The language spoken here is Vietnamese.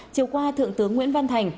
chiều qua thượng tướng nguyễn văn thành